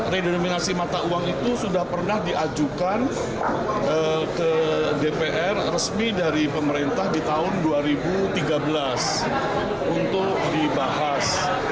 redenominasi mata uang itu sudah pernah diajukan ke dpr resmi dari pemerintah di tahun dua ribu tiga belas untuk dibahas